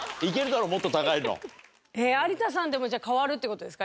有田さんでもじゃあ変わるって事ですか？